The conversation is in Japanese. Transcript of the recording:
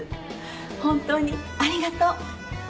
本当にありがとう。